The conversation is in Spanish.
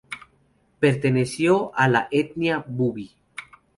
Perteneció a la etnia bubi.